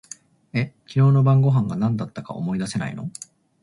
え、昨日の晩御飯が何だったか思い出せないの？